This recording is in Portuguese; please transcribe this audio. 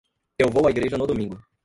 Eu vou à igreja no domingo.